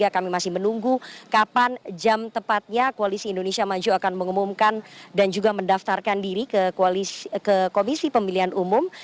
kami masih menunggu kapan jam tepatnya koalisi indonesia maju akan mengumumkan dan juga mendaftarkan diri ke komisi pemilihan umum